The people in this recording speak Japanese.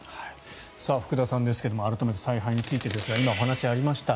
福田さんですが改めて采配についてですが今、お話がありました。